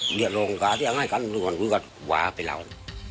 เดี๋ยวโรงการที่ยังให้กันมันก็วาไปแล้ว